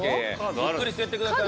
ゆっくりしてってください。